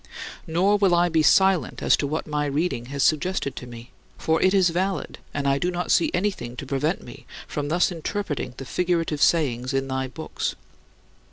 Nor will I be silent as to what my reading has suggested to me. For it is valid, and I do not see anything to prevent me from thus interpreting the figurative sayings in thy books.